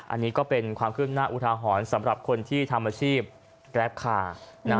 อันนี้ก็เป็นความคืบหน้าอุทาหรณ์สำหรับคนที่ทำอาชีพแกรปคาร์